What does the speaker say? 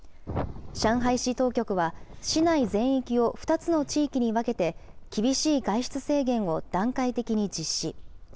上海市当局は、市内全域を２つの地域に分けて、厳しい外出制限を段階的に実施。